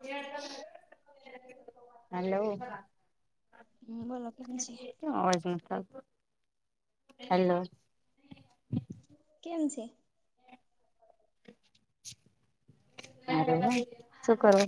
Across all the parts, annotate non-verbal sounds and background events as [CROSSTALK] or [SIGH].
એ [UNINTELLIGIBLE] hello હમ બોલો કેમ અવાજ છે નથી આવતો, હલો! કેમ છે? [INAUDIBLE] [UNINTELLIGIBLE] શું કરવું?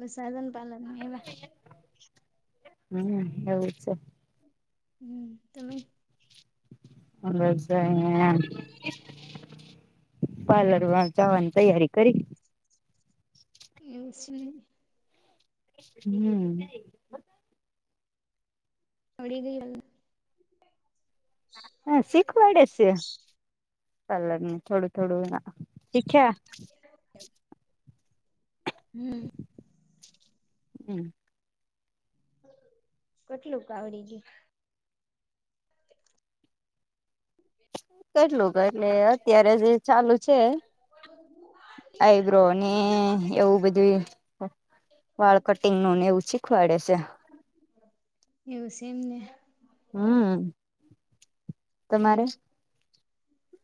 બસ હાલન-પાલન એવા હમ્મ, એવું છે. હમ્મ. [UNINTELLIGIBLE] પાર્લર વાર જવાની તૈયારી કરી? [UNINTELLIGIBLE] હમ્મ. અડી ગઈ વલ હા, શીખવાડે શે. પાર્લરનું થોડું થોડું ના શીખ્યા. હમ્મ. હમ્મ. કેટલુંક આવડી ગ્યું? કેટલું ક એટલે અત્યારે જે ચાલુ છે. આઈબ્રો ને એવું બધું વાળ કટિંગનું ને એવું શીખવાડે છે. એવુંશે એમને હમ્મ પછી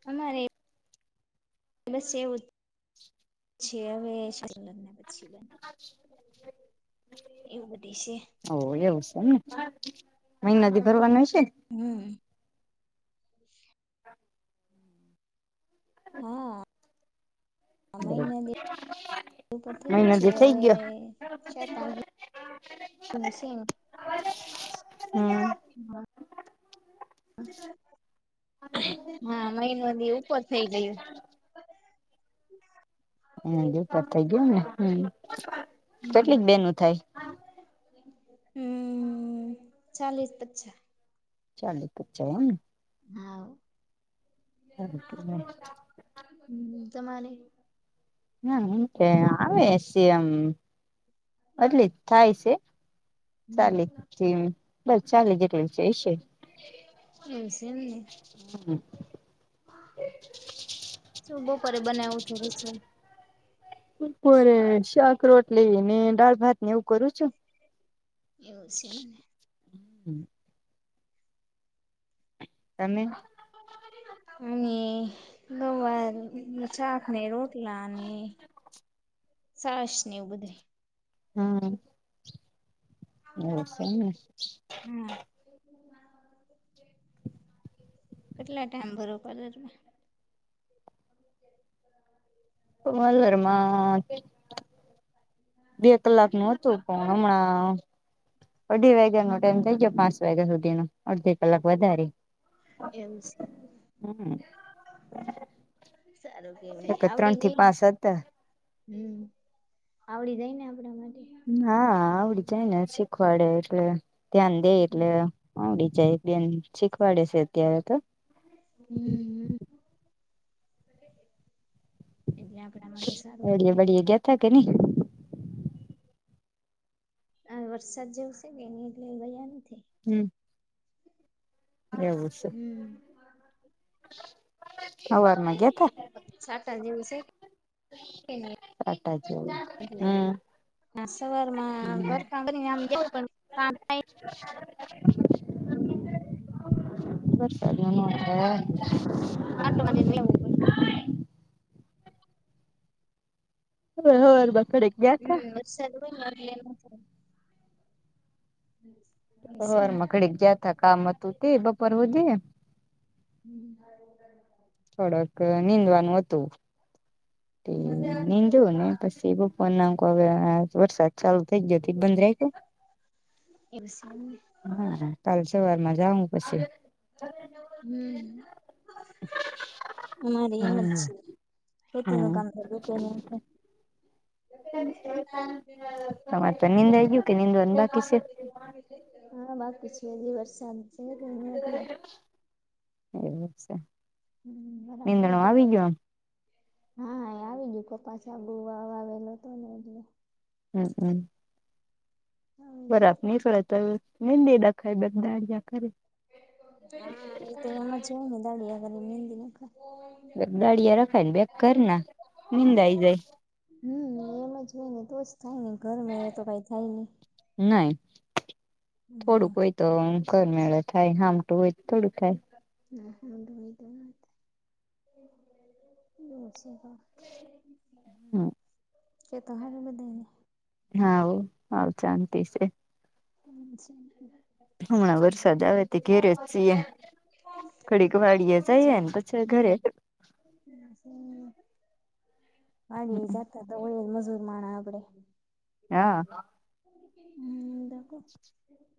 અમારે બસ એવું છે હવે લગ્ન પછી બેન, એવું બધીશે હઉ એવુંશે ને મહિનાથી ભરવાના છે હમ્મ હઅઅ આ મહિનાની [UNINTELLIGIBLE] થયું છે મહિનાથી થઇ હવે ગયો ને ચાર પાંચ [UNINTELLIGIBLE] સિંહ હમ [UNINTELLIGIBLE] હા, મહિનોની ઉપર થઈ ગયું મહિના ઉપર થઈ ગયો ને, હમ્મ. હમ્મ, હમ્મ ચાલ પછા ચાલી પચા [UNINTELLIGIBLE] હાઉ એમને [INAUDIBLE] હમ્મ, તમારે? [UNINTELLIGIBLE] આવે શે આમ એટલે થાયશે હમ ચાલે તેમ પર ચાલે જેટલી જઈ શક [UNINTELLIGIBLE] શું બપોરે બનાવું થોડુંશ? બપોરે શાક-રોટલી ને દાળ ભાતને એવું કરું છું. એવું શે એમને. હમ્મ. તમે? હું એ ગવાર નું શાક ને રોટલા ને છાશ ને એવું બધુંએ હમ્મ. એવું શે એમને. હમ્મ. કેટલા ટાઈમ ભરો પાર્લરના? કોમલ વરમાં [INAUDIBLE] બે કલાક નું હતું પણ હમણા અઢી વાગ્યાનો ટાઈમ થઇ ગયો પાંચ વાગ્યા સુધીનો અડધી કલાક વધારે એમસી હમ સારો કે એક ત્રણ આવડીંગ ને થી પાંચ હતા હમ્મ આવડી જાય ને આપણા માટે હા આવડી જાય ને શીખવાડે એટલે ધ્યાન દે એટલે આવડી જાય બેન શીખવાડે છે, અત્યારે તો હમ્મ હમ્મ [INAUDIBLE] એટલે આમ બળિયા બળિયા ગેતા કેે નઈ આ વરસાદ જેવું છે, કે એ એટલે ગયા નથી. હમ્મ એવું છે. હમ્મ હવારમાં જ સાતાજી વિશે કે એની [UNINTELLIGIBLE] એટલે હમ હા સવાર માં ઘર કામ કરી ને કામ થાય એટલે બેસ આટો મારીને આવવું પડે. [UNINTELLIGIBLE] હ હવાર બાંકડે ગયા તા સર્વે મળરલમાં જઉ હમ્મ બર મકડી ગયાતા કામ હતું તે બપોર વધે હમ્મ થોડુક નીંદવાનું હતું નીંદ જો ને પછી એ બપોર હવે વરસાદ ચાલુ થઈ ગયો બંધ રાયખો તો એક સમયે હા કાલ સવારમાંજા હુ હમ્મ મારે એમ જ હમ છે ખેતી હમ નું કામ પર જતો નહિ તે મ નિંદાય ગયું કે નિંદવાનું બાાકી છે. હા વા પીછી વરષાંત શ એવું છે. હમ બરાબર નીંદણું આવી જાય ગયું હા એ આવી ગયું કપાસાબુ વા વાવેલો તો હમ્મ હમ્મ હવે બરાબ નઈ કરે છે તો ન દે દખાય બે દાડિયા કરે તો એમ જ ને દાડી આગળ નિંદી નાખા દાળિયા રખાય ને બે કર ના નિંદાઈ જાય. હમ એમ જ હોય ને તો જ થાય ને ઘર મેળે તો કઈ થાય નહી. નાહી થોડુંક હમ હોય, તો ઘર મેળ થાય હામટું હોય તો થોડુંક થાય. હાડુંણી તો બ છે તો શતો ખ બ દને હા હ શાંતિ છે. હમ છે. હમણા વરસાદ આવે તે ઘેરે જ છીએ. ખડીક વાડીએ જઈએ ને પછી ઘરે અને તોય મજૂર માણ આપડે હા હમ- આ [UNINTELLIGIBLE]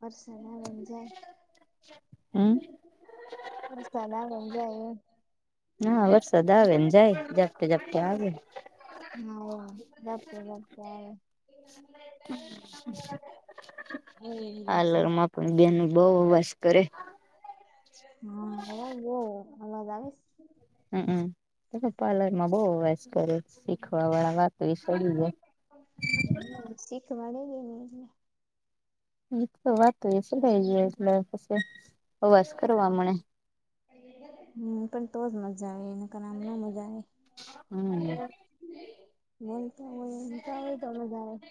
વર્ષ ના મજાય- છ [INAUDIBLE] બસ લ ના વરસાદ આવે ને જાય ઝપતે ઝપટે આવે- હારા- એ પાર્લર છે. માં પણ બેન બહુ અવાસ કરે- હા અવાજ બઉ અવાજ આવેસે હમમ પાર્લર માં બહ વાસ કરે શીખવા વાળા વાતો ઈ છોડી જાય- હ શીખવાડેગ ન એ એ તો વાત એ છે લ એટલે પ અવાસ કરવા મળે- હમ પણ તોજ મજા આવે એ આમ ના મજા આવે- હમ- હ [UNINTELLIGIBLE] એ હોયસા હોય તો વધારે-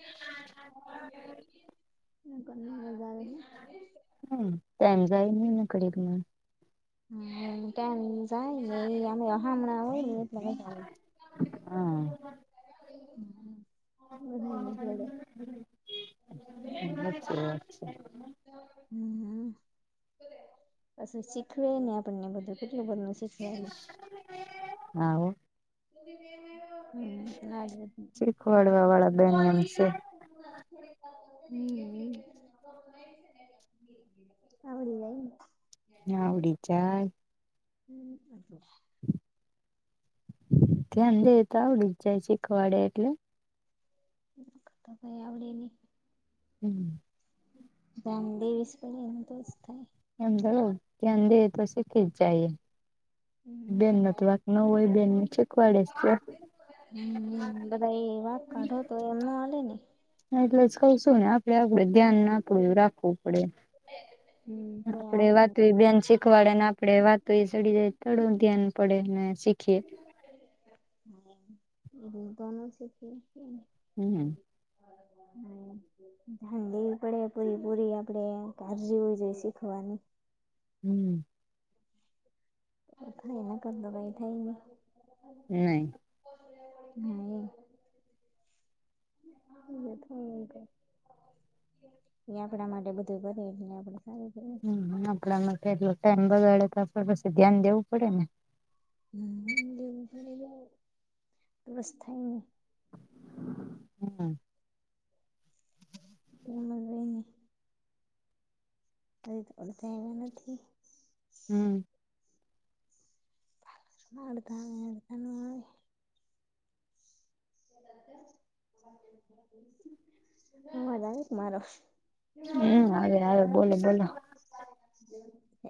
એને મજ આવી- હમ ટાઈમ જાય ન નકળ- હમ કમ જાય એ અમે હમણાં હોય એટલે- હા [UNINTELLIGIBLE] હ હ હ [INAUDIBLE] અચ્છા અચ્છા હ પછી શીખવે ને આપણને બધું કેટલું બધુ ન શીખવે- હા હાલો- હમ શીખવાડવા વાળા બેન એમ છે લ હમ આવડી જાઈન. આવડી જાય. હમ એતો ધ્યાન દે તો આવડી જ જાય શીખવાડે એટલે. તો કે આવડે ની. હમ. ધ્યાન ડેવિસ કરીએ ને તો જ થાય. એમ તો કેવું ધ્યાન દે તો શીખીજ જાય એ. હમ, હોય બેન ને શીખવાડે જ છે હમ બધાાય એવા કાઢો તો એમ ના હાલે ને. હા એટલે જ કઉ શું ને આપડે આપડે ધ્યાન નાખવું, રાખવું. પડે, હમ. પણ તો આપડે આવે વાતે બેન છે. ખવાડ ને આપડે વાતે સડી જઈ એ તો થોડું ધ્યાન પડે ને શીખીએ. હા, બધા નો શીખી હકીએ ને. હમ. હમ. ધ્યાન દેવી પડે પૂરી પૂરી આપડે કાળજી હોવી જોઈએ શીખવાની. હમ. તો એના વગર તો કઈ થાય ના. નઈ. હમ્મ. [UNINTELLIGIBLE] એ આપડા માટે બધું કરે, એટલે આપડે સારું કેવાય. હમ, આપડા માટે એટલો ટાઈમ બગાડે, તો આપે પસી ધ્યાન દેવું પડે ને. હમ, દેવું પડે, ધ્યાન તો જ થાય ને. હમ. એમ નેમ કંઈ ની. અડધા એવા નથી. હમ. [UNINTELLIGIBLE] હા, રાઈટ મારો. હમ, આવે, આવે. બોલો, બોલો.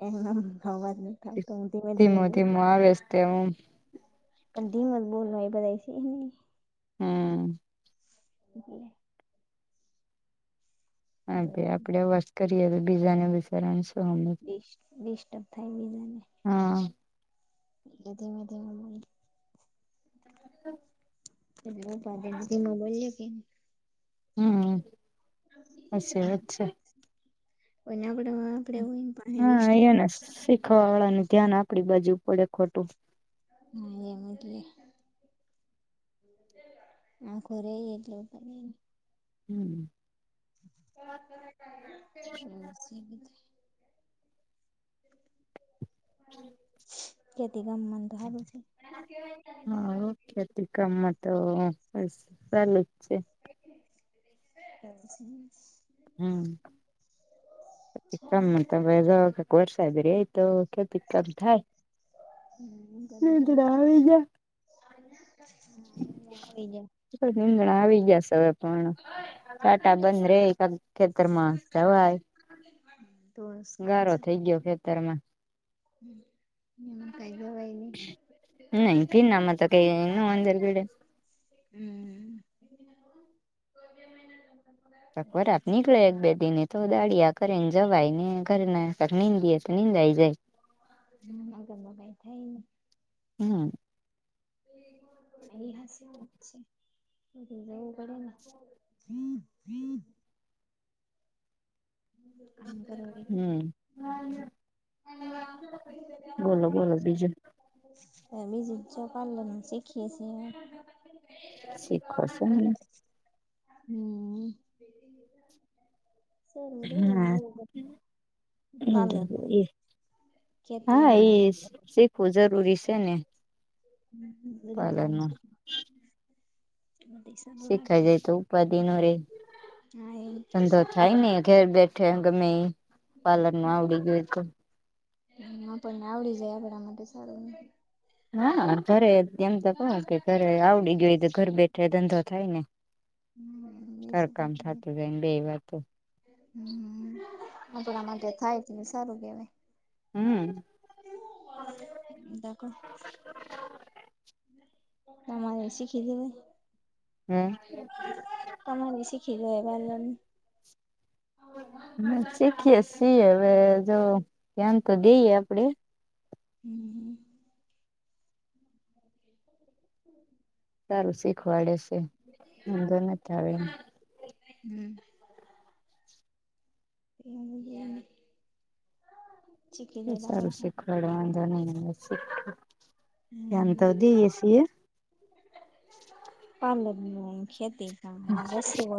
એમ નેમ અવાજ નથી આવતો, ધીમે ધીમે બોલ. તેવું. પણ ધીમે જ બોલાય, બધાએ છે. હમ. ભલે. હા એટલે ભાઈ, આપડે વશ કરીએ તો બીજાને બિચારાને શું હ? ડિસ્ટ ડિસ્ટર્બ થાય બીજા ને. હા. એટલે ધીમે ધીમે બોલું. [UNINTELLIGIBLE] એટલે હું પાછળથી ધીમે બોલ્યો કે ની. હમ. સાચી એ વાત છે અને આપડામાં આપડે એવું હોયન હા, અયા ને શીખવા વાળા નું ધ્યાન આપડી બાજુ પડે ખરુ? હા, એમ એટલે. આખો રઈ એટલે હમ. [UNINTELLIGIBLE] અન સી બી થાય. હમ. કેથી, ગમે મને હે તો પછી. હા, ઓકેતી કામમાં તો બસ સાલું જ છે. હ. હમ. કમ સારું તક વરસાય રય તો ખેતી કમ થાય [UNINTELLIGIBLE] હમાઈ નીંદણા ગયા આવી જ [UNINTELLIGIBLE] નિંદ જણા આવી ગયા હવે. પણ સાટા બંધ રે, ખેતરમાં જ જવાય. તો કન્સ ગારો [UNINTELLIGIBLE] થઈ ગયો ખેતર માં. હમ, નિમાઈ જવાય. નહી. હ ન ફિ ના મ તો કઈ નું અંદેર ગીડ [INAUDIBLE] હમ. બકબર આપ નીકળ્યા એક-બે દિન. તો દાળયા કરે ને જવાય ને, ઘરે ના નિંદીએ તો નીંદાઈ જાય. હમણાં કઈ થાય ને‌. હમ. એ, હાસ વાત છે. જવું પડે ને. હ, હ. અ હમ ઘરવાડી [UNINTELLIGIBLE] હ બોલો બોલો બીજું [UNINTELLIGIBLE] [UNINTELLIGIBLE] [UNINTELLIGIBLE] હમ હા [UNINTELLIGIBLE] [INAUDIBLE] એ ખેતી હા નું એ બધું શીખવું જરૂરી છે ને [UNINTELLIGIBLE] પાર્લર નું [INAUDIBLE] બધી સારું શીખાઈ રાખીએ. જાય તો ઉપાધિ નો રે ધંધો થાય હા ને ઘર બેઠા પાર્લર નું આવડી ગયું તો હ પણ આવડી જાય આપધ માટે સારું હા ઘરે એમ તો ક કે ઘરે આવડી ગય તો ઘર બેઠે ધંધો થાય ને બેસી તો સરકામ થતું જાયને બે એ વાત હમ આપણા માટે થાય છે ને સારું કેવાય હમ દક તમારે શીખી દે [UNINTELLIGIBLE] હમ તમારે શીખી લેવાય પાર્લરનો હ શીખીએ છી હવે જો ત્યાન તો ગઈએ આપડે હમ મ [UNINTELLIGIBLE] સારું શીખવાડે છે ંધો નથી આવે એ હમ એ [UNINTELLIGIBLE] સારો શીખવાડે છે વાંધો નથી આવે એવો ધ્યાન તો દઈએ છીએ પાર્લર નું અને ખેતી કામ [UNINTELLIGIBLE] હમ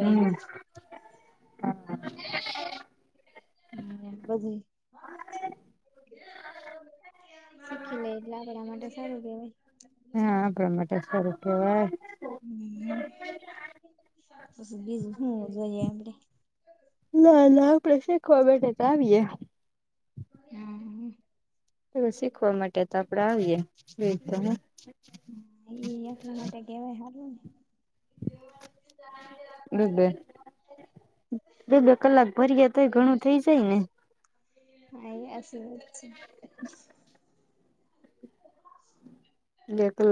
હમ બધી [UNINTELLIGIBLE] હ [UNINTELLIGIBLE] શીખી લે એટલે આપડા માટે સારું કેવાય શીખી લે એટલે આપણા માટે સારું કહેવાય હ પછી બીજું શું જોઈએ આપડે ના ના આપડે શી ખવા બેઠે તો આવીએ. હા. શીખવા માટે તો આપડે આવીએ રીતે હ એ ઇ એટલા માટે કહેવાય હારવું ને. જાય તરત બેન બે બે કલાક ભર્યા તો એ ઘણું થઇ જાય ને. [UNINTELLIGIBLE] [INAUDIBLE] બિલકુલ.